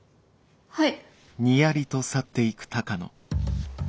はい。